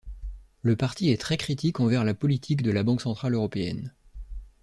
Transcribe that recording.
Le parti est très critique envers la politique de la Banque centrale européenne.